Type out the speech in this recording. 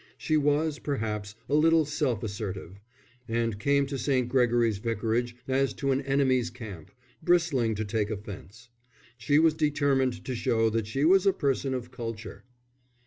She was, perhaps, a little self assertive; and came to St. Gregory's Vicarage as to an enemy's camp, bristling to take offence. She was determined to show that she was a person of culture.